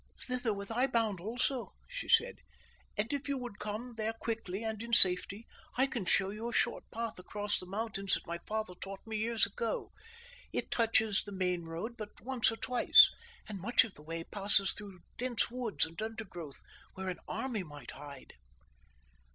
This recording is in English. "Thither was I bound also," she said, "and if you would come there quickly and in safety I can show you a short path across the mountains that my father taught me years ago. It touches the main road but once or twice, and much of the way passes through dense woods and undergrowth where an army might hide."